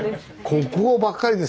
国宝ばっかりですから。